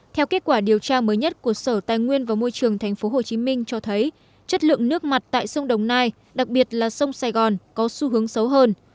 theo kết quả điều tra mới nhất của sở tài nguyên và môi trường tp hcm cho thấy chất lượng nước mặt tại sông đồng nai đặc biệt là sông sài gòn có xu hướng xấu hơn